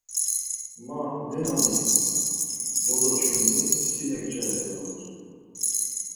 Ma nena midzin, bozo çkimi si mekçare ya utzu.